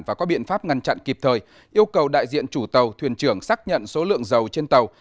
và có biện pháp ngăn chặn kịp thời yêu cầu đại diện chủ tàu thuyền trưởng xác nhận số lượng dầu trên tàu